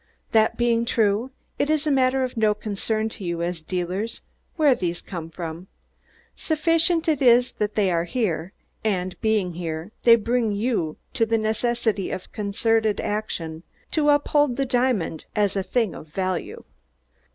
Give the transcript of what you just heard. That being true, it is a matter of no concern to you, as dealers, where these come from sufficient it is that they are here, and, being here, they bring home to you the necessity of concerted action to uphold the diamond as a thing of value."